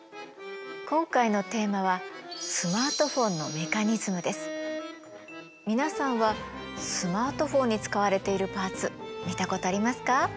今回のテーマは皆さんはスマートフォンに使われているパーツ見たことありますか？